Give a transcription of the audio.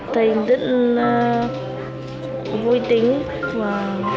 thầy rất vui tính và